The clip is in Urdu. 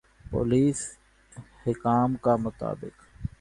پولیس حکام کا مطابق